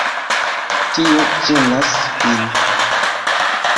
Tio ĝenas min.